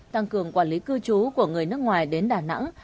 tăng cường quản lý cư trú của người nước ngoài đến đà nẵng